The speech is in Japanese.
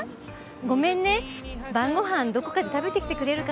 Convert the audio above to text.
ごめんね晩ご飯どこかで食べてきてくれるかな？